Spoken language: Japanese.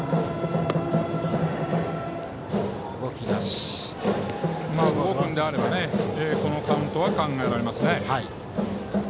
動くのであればこのカウントは考えられますね。